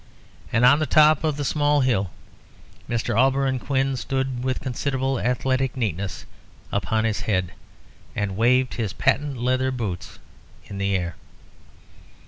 And on the top of the small hill Mr. Auberon Quin stood with considerable athletic neatness upon his head, and waved his patent leather boots in the air.